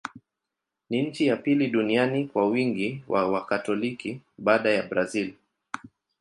Ni nchi ya pili duniani kwa wingi wa Wakatoliki, baada ya Brazil.